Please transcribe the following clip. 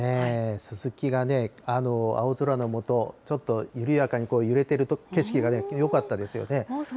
ススキがね、青空の下、ちょっと緩やかに揺れている景色がよかったですよね。